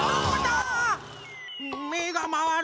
めがまわる！